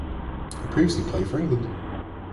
He previously played for England.